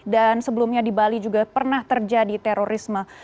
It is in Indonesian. dan sebelumnya di bali juga pernah terjadi terorisme